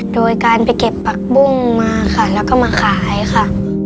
โดยการไปเก็บผักบุ้งมาค่ะแล้วก็มาขายค่ะ